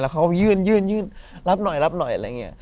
เขาก็ยื่นยื่นรับหน่อยรับหน่อยอะไรอย่างนี้